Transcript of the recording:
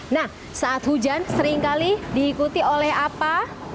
nah saat hujan seringkali diikuti oleh apa